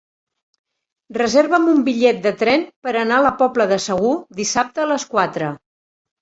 Reserva'm un bitllet de tren per anar a la Pobla de Segur dissabte a les quatre.